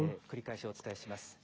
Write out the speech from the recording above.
繰り返しお伝えします。